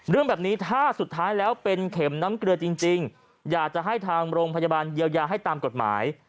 เรื่องแบบนี้ถ้าสุดท้ายแล้วเป็นเข็มน้ำเกลือจริงอยากจะให้ทางโรงพยาบาลเยียวยาให้ตามกฎหมาย